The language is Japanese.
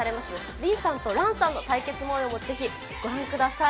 リンさんとランさんの対決もようもぜひご覧ください。